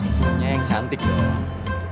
suhunya yang cantik dong